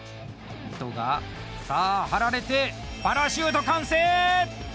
糸がさあ、張られてパラシュート完成！